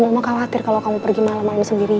emang uma khawatir kalo kamu pergi malem malem sendirian